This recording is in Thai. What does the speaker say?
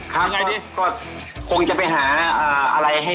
ครับก็คงจะไปหาอะไรให้